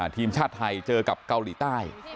ทีมชาติไทยเจอกับเกาหลีใต้